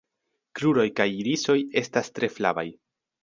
Kruroj kaj irisoj estas tre flavaj.